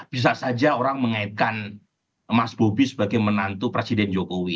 bisa saja orang mengaitkan mas bobi sebagai menantu presiden jokowi